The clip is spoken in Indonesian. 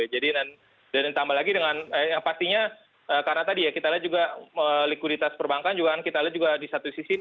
jadi dan tambah lagi dengan yang pastinya karena tadi ya kita lihat juga likuiditas perbankan juga kan kita lihat juga di satu sisi